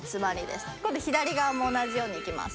今度左側も同じようにいきます。